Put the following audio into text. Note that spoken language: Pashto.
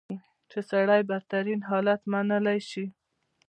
چې سړی بدترین حالت منلی شي.